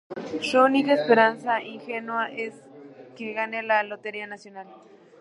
Su única esperanza ingenua es que gane la lotería nacional.